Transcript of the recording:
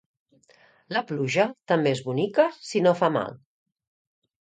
La pluja també és bonica si no fa mal